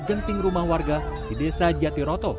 genting rumah warga di desa jatiroto